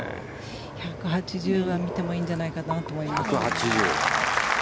１８０は見てもいいんじゃないかなと思います。